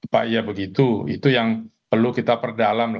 pak ya begitu itu yang perlu kita perdalam